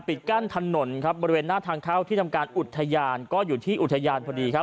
กั้นถนนครับบริเวณหน้าทางเข้าที่ทำการอุทยานก็อยู่ที่อุทยานพอดีครับ